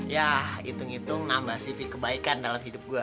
yah hitung hitung nambah cv kebaikan dalam hidup gua